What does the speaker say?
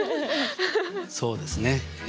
そうですね。